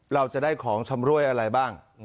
เราจะได้ของชำรวยอะไรบ้าง